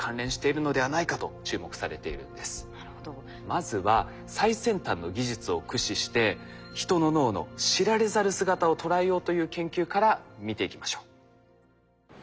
まずは最先端の技術を駆使して人の脳の知られざる姿を捉えようという研究から見ていきましょう。